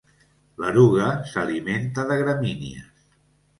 L'eruga s'alimenta de gramínies.